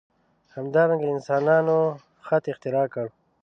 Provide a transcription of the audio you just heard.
همدارنګه انسانانو خط اختراع کړ.